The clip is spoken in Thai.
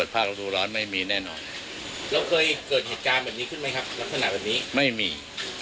ลักษณะแบบนี้